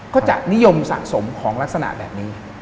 ก็จะนิยมสะสมของลักษณะแบบนี้